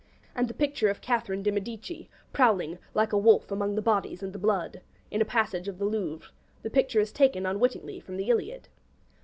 And the picture of Catherine de Medicis, prowling 'like a wolf among the bodies and the blood,' in a passage of the Louvre the picture is taken unwittingly from the 'Iliad.'